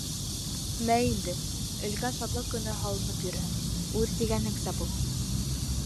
— Мә инде, өлкән шатлыҡ көнө һалынып йөрөһөн, үҙ тигәнеңсә бул.